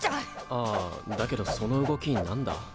ああだけどその動きなんだ？